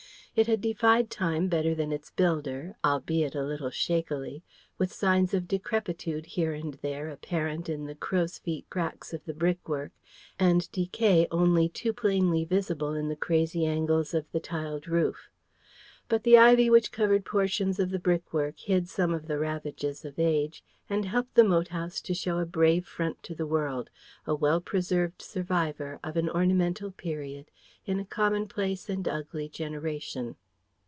It had defied Time better than its builder, albeit a little shakily, with signs of decrepitude here and there apparent in the crow's feet cracks of the brickwork, and decay only too plainly visible in the crazy angles of the tiled roof. But the ivy which covered portions of the brickwork hid some of the ravages of age, and helped the moat house to show a brave front to the world, a well preserved survivor of an ornamental period in a commonplace and ugly generation.